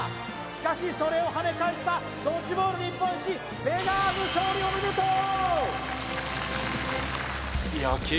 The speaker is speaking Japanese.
しかしそれを跳ね返したドッジボール日本一Ｖｅｇａｅｓ勝利おめでとう！